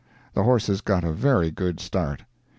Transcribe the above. The horses got a very good start.